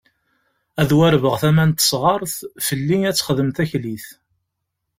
Ad warbeɣ tama n tesɣart, fell-i ad texdem taklit.